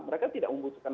mereka tidak membutuhkan